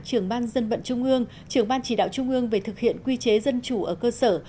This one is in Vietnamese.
trưởng ban dân vận trung ương trưởng ban chỉ đạo trung ương về thực hiện quy chế dân chủ ở cơ sở